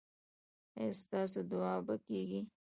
ایا ستاسو دعا به کیږي؟